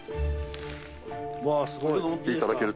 うわすごい。